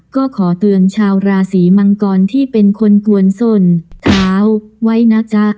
ก็ขอเตือนชาวราศีมังกรที่เป็นคนกวนส้นเท้าไว้นะจ๊ะ